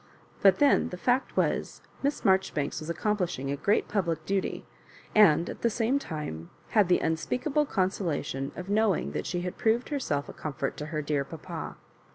But then the fact was, Miss Marjoribanks was accomplish ing a great public duty, and at the same time had the unspeakable consolation of knowing that she had proved herself a comfort to her dear papa.